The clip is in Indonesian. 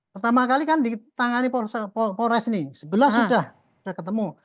pertama kali kan ditangani polres ini sebelas sudah ketemu